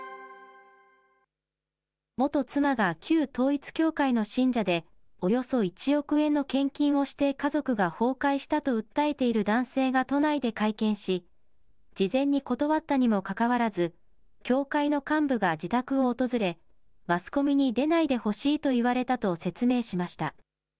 元妻が旧統一教会の信者で、およそ１億円の献金をして家族が崩壊したと訴えている男性が都内で会見し、事前に断ったにもかかわらず、教会の幹部が自宅を訪れ、マスコミに出ないでほしいといわれたと説明しました。